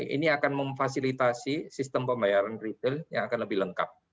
ini akan memfasilitasi sistem pembayaran retail yang akan lebih lengkap